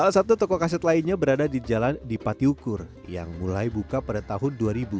salah satu toko kaset lainnya berada di jalan dipatiukur yang mulai buka pada tahun dua ribu